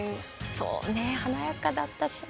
そうね華やかだったしな。